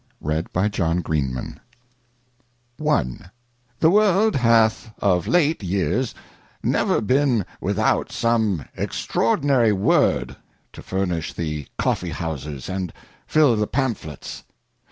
I. nr^HE World hath of late years never been without some A extraordinary Word to furnish the Coffee Houses and fill the Pamphlets.